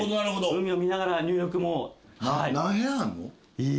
海を見ながら入浴も。